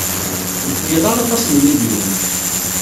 Ur tlid ara aṭas n yimidiwen.